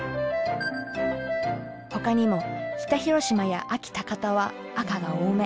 ほかにも北広島や安芸高田は赤が多め。